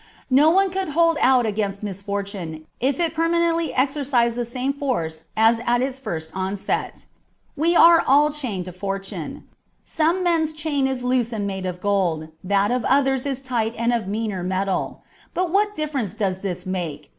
No one could hold out against misfortune if it permanently exercised the same force as at its first onset. We are all chained to Fortune : some men's chain is loose and made of gold, that of others is tight and of meaner metal : but what difference does this make